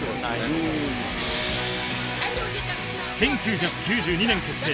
１９９２年結成